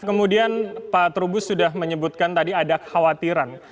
kemudian pak trubus sudah menyebutkan tadi ada khawatiran